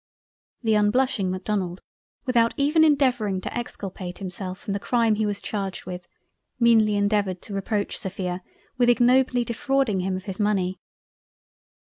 The unblushing Macdonald, without even endeavouring to exculpate himself from the crime he was charged with, meanly endeavoured to reproach Sophia with ignobly defrauding him of his money...